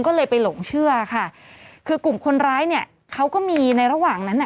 ก็เลยไปหลงเชื่อค่ะคือกลุ่มคนร้ายเนี่ยเขาก็มีในระหว่างนั้นอ่ะ